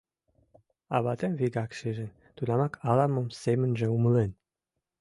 А ватем вигак шижын, тунамак ала-мом семынже умылен.